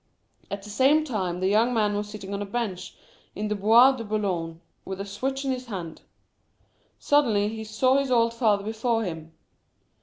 At that same time the young man was sitting on a bench in the Bois de Boulogne, with a switch in his hand. Suddenly he saw his old father before him.